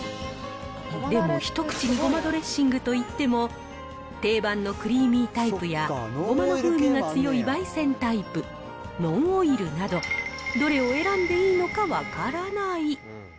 でも、一口にごまドレッシングといっても定番のクリーミータイプや、ごまの風味が強い焙煎タイプ、ノンオイルなど、どれを選んでいいのか分からない。